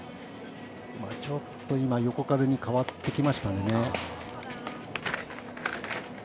ちょっと横風に変わってきましたね。